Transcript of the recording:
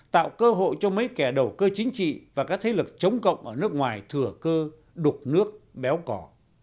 tạo cơ hội cho mấy kẻ đầu cơ chính trị và các thế lực chống cộng ở nước ngoài thừa cơ đục nước béo cỏ